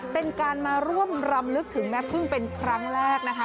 เป็นการมาร่วมรำลึกถึงแม่พึ่งเป็นครั้งแรกนะคะ